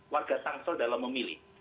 warga tamsil dalam memilih